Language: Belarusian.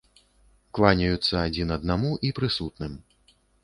Кланяюцца адзін аднаму і прысутным.